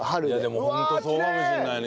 でもホントそうかもしれないね。